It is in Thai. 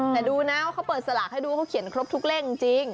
แต่ดูนะว่าเขาเปิดสลากให้ดูเขาเขียนครบทุกเลขจริง